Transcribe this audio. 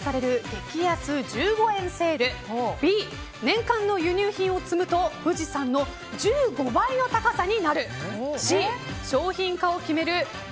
激安１５円セールＢ、年間の輸入品を積むと富士山の１５倍の高さになるＣ、商品化を決める